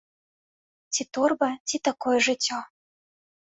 Ці торба, ці такое жыццё.